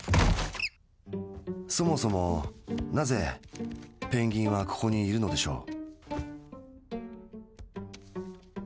そもそもなぜペンギンはここにいるのでしょう。